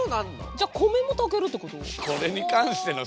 じゃ米も炊けるってこと？